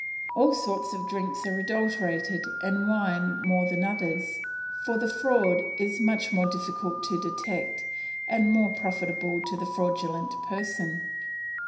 All sorts of drinks are adulterated, and wine more than others; for the fraud is more difficult to detect, and more profitable to the fraudulent person.